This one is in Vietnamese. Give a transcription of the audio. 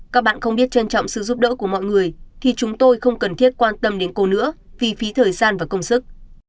các bạn không biết trân trọng sự giúp đỡ của mọi người thì chúng tôi không cần thiết quan tâm đến cô nữa vì phí thời gian và công sức